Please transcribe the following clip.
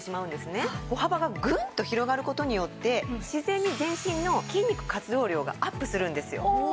歩幅がグンと広がる事によって自然に全身の筋肉活動量がアップするんですよ。